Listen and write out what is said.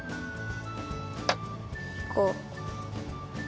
こう。